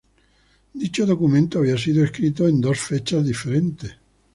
Dicho documento había sido escrito en dos fechas diferentes.